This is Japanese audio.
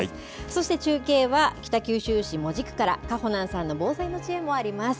そして中継は、北九州市門司区から、かほなんさんの防災の知恵もあります。